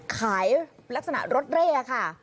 ขายลักษณะรถเร่ค่ะ